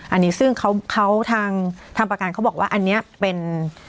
อันนี้ซึ่งเขาทางประการเขาบอกว่าอันนี้เป็น